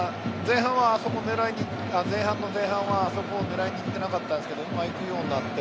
前半の前半はあそこを狙いに行ってなかったんですけど今、行くようになって。